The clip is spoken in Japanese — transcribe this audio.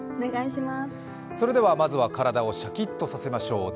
それでは、まずは体をシャキッとさせましょう。